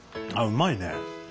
うまいね。